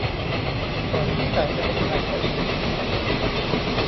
ก่อนที่ไก่จะเป็นไข่ซะอีก